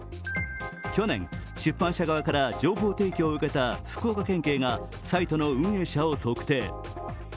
去年、出版社側から情報提供を受けた福岡県警がサイトの運営者を特定。